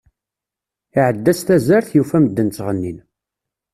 Iεedda s tazzert, yufa medden ttɣennin.